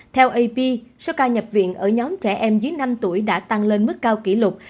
theo ap số ca nhập viện ở nhóm trẻ em dưới năm tuổi đã tăng lên mức cao kỷ lục